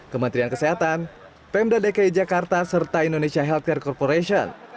kementerian kesehatan pemda dki jakarta serta indonesia healthcare corporation